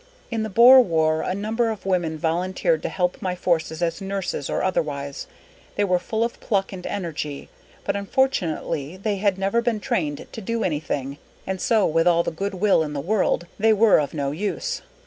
_ _In the Boer war a number of women volunteered to help my forces as nurses or otherwise; they were full of pluck and energy, but unfortunately they had never been trained to do anything, and so with all the good will in the world they were of no use.